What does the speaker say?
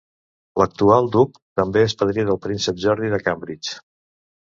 L'actual duc també és padrí del príncep Jordi de Cambridge.